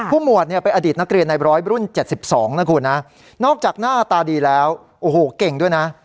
หมวดเนี่ยเป็นอดีตนักเรียนในร้อยรุ่น๗๒นะคุณนะนอกจากหน้าตาดีแล้วโอ้โหเก่งด้วยนะ